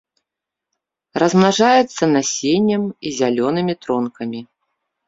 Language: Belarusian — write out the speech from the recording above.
Размнажаецца насеннем і зялёнымі тронкамі.